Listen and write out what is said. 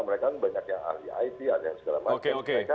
mereka banyak yang alih alih ada yang segala macam